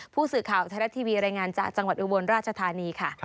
ผู้สื่อข่าวไทยรัฐทีวีรายงานจากจังหวัดอุบลราชธานีค่ะ